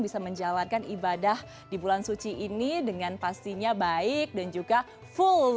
bisa menjalankan ibadah di bulan suci ini dengan pastinya baik dan juga full